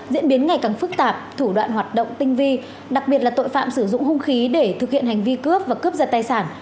diễn biến ngày càng phức tạp thủ đoạn hoạt động tinh vi đặc biệt là tội phạm sử dụng hung khí để thực hiện hành vi cướp và cướp giật tài sản